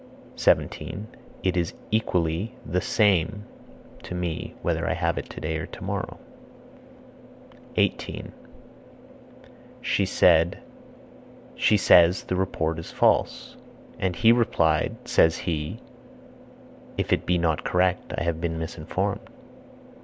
17. It is equally (the same) to me whether I have it today or tomorrow. 18. She said, (says she) the report is false; and he replied, (says he) if it be not correct I have been misinformed.